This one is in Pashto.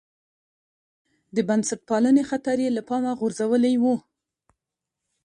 د بنسټپالنې خطر یې له پامه غورځولی و.